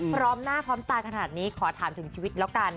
พร้อมหน้าพร้อมตาขนาดนี้ขอถามถึงชีวิตแล้วกัน